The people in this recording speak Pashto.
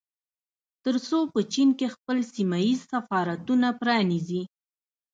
ترڅو په چين کې خپل سيمه ييز سفارتونه پرانيزي